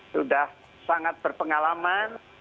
sudah sangat berpengalaman